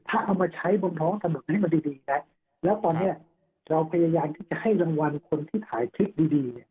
ถ้าเอามาใช้บนท้องถนนให้มันดีดีนะแล้วตอนเนี้ยเราพยายามที่จะให้รางวัลคนที่ถ่ายคลิปดีดีเนี่ย